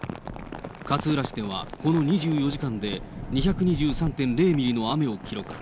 勝浦市ではこの２４時間で２２３．０ミリの雨を記録。